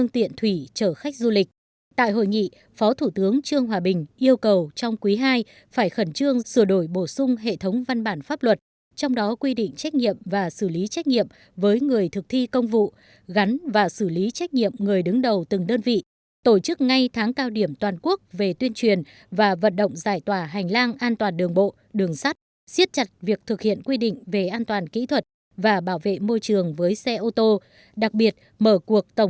tại hội nghị phó thủ tướng trương hòa bình yêu cầu trong quý hai phải khẩn trương sửa đổi bổ sung hệ thống văn bản pháp luật trong đó quy định trách nhiệm và xử lý trách nhiệm với người thực thi công vụ gắn và xử lý trách nhiệm người đứng đầu từng đơn vị tổ chức ngay tháng cao điểm toàn quốc về tuyên truyền và vận động giải tỏa hành lang an toàn đường bộ đường sắt siết chặt việc thực hiện quy định về an toàn kỹ thuật và bảo vệ môi trường với xe ô tô đặc biệt mở cuộc tập trung